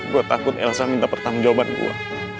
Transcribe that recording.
gua takut elsa minta pertanggung jawaban gua